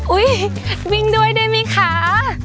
อุ้ยวิ่งด้วยด้วยมีขา